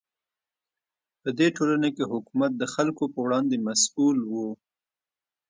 په دې ټولنه کې حکومت د خلکو په وړاندې مسوول و.